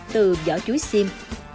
từ giỏ chuối xim